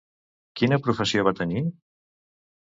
Quina professió va tenir?